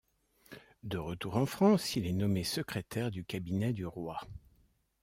De retour en France, il est nommé secrétaire du cabinet du roi.